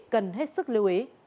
cần hết sức lưu ý